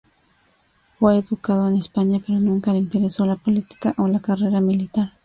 Fue educado en España, pero nunca le interesó la política o la carrera militar.